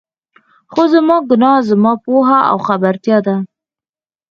خو زما ګناه، زما پوهه او خبرتيا ده.